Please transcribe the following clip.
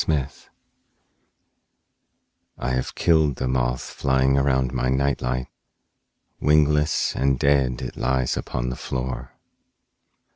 Moth Terror I HAVE killed the moth flying around my night light; wingless and dead it lies upon the floor.